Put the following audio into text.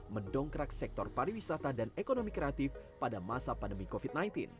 mendongkrak sektor pariwisata dan ekonomi kreatif pada masa pandemi covid sembilan belas